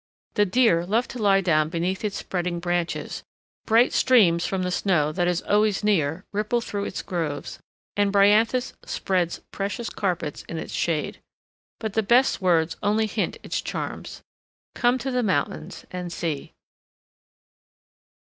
The deer love to lie down beneath its spreading branches; bright streams from the snow that is always near ripple through its groves, and bryanthus spreads precious carpets in its shade. But the best words only hint its charms. Come to the mountains and see.